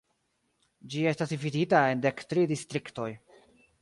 Ĝi estas dividita en dek tri distriktoj.